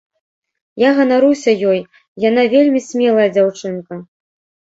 Я ганаруся ёй, яна вельмі смелая дзяўчынка.